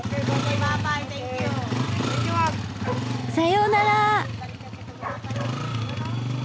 さようなら。